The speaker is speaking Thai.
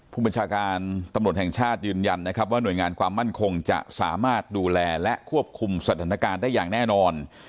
ผู้บัญชาการตำรวจแห่งชาติยืนยันนะครับว่าหน่วยงานความมั่นคงจะสามารถดูแลและควบคุมสถานการณ์ได้อย่างแน่นอน